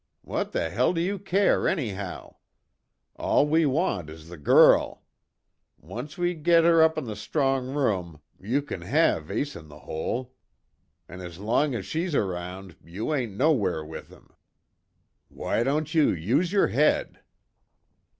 What the hell do you care anyhow? All we want is the girl. Onct we git her up in the strong room, you kin have Ace In The Hole. An' as long as she's around you ain't nowhere with him. Why don't you use yer head?"